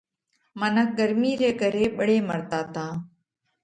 منک ڳرمِي ري ڪري ٻۯي مرتا تا۔